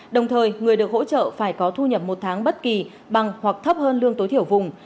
đồng thời người được hỗ trợ phải có thu nhập một tháng bất kỳ bằng hoặc thấp hơn lương tối thiểu vùng